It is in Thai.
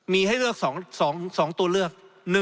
มีให้เลือก๒ตัวเลือก